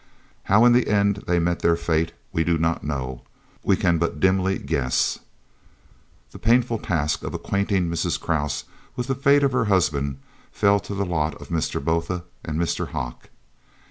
How in the end they met their fate we do not know we can but dimly guess. The painful task of acquainting Mrs. Krause with the fate of her husband fell to the lot of Mr. Botha and Mr. Hocke.